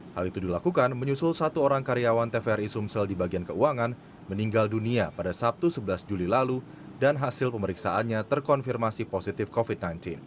hal itu dilakukan menyusul satu orang karyawan tvri sumsel di bagian keuangan meninggal dunia pada sabtu sebelas juli lalu dan hasil pemeriksaannya terkonfirmasi positif covid sembilan belas